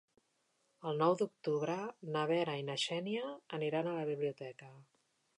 El nou d'octubre na Vera i na Xènia aniran a la biblioteca.